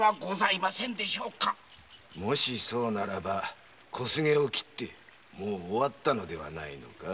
もしそうならば小管を斬って終わったのではないのか？